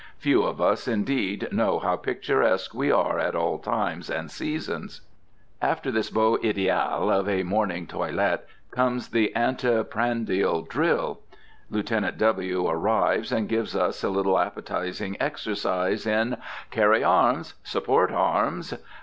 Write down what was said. Few of us, indeed, know how picturesque we are at all times and seasons. After this beau idéal of a morning toilet comes the ante prandial drill. Lieutenant W. arrives, and gives us a little appetizing exercise in "Carry arms!" "Support arms!"